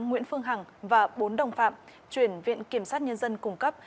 nguyễn phương hằng và bốn đồng phạm chuyển viện kiểm sát nhân dân cung cấp